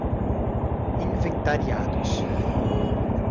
inventariados